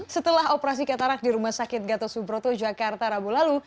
setelah operasi katarak di rumah sakit gatot subroto jakarta rabu lalu